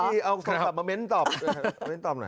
เอาคำสั่งมาเม้นต์ตอบให้ตอบหน่อย